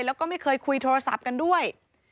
แล้วก็ไม่เคยคุยโทรศัพท์กันด้วย